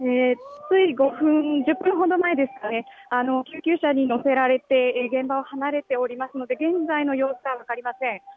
つい５分１０分ほど前ですか、救急車に乗せられて現場を離れておりますので現在の様子は分かりません。